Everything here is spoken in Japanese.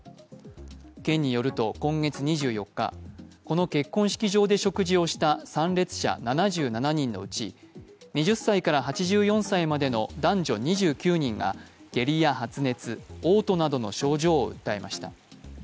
県によると、今月２４日、この結婚式場で食事をした参列者７７人のうち２０歳から８４歳までの男女２９人が下痢や発熱、おう吐などの症状を訴えました。